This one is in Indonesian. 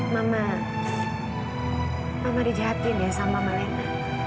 mama mama dijahatin ya sama mama lena